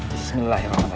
bismillah ya allah